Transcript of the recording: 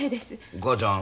お母ちゃん